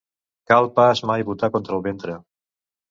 Cal pas mai botar contra el ventre.